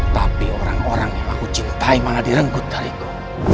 tapi orang orang yang aku cintai mana direnggut dari ku